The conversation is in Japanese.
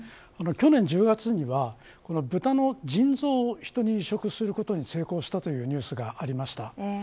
去年１０月にはブタの腎臓を人に移植することに成功したというニュースがありました。